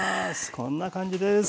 こんな感じです。